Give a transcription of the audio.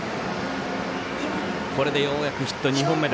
これでようやくヒット２本目。